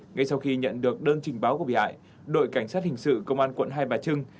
ngay sau khi nhận được đơn trình báo của bị hại đội cảnh sát hình sự công an quận hai bà trưng